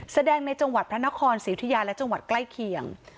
ในจังหวัดพระนครศรีอุทิยาและจังหวัดใกล้เคียง